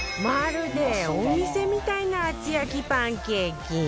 まるでお店みたいな厚焼きパンケーキ